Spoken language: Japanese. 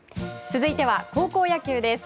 続いては高校野球です。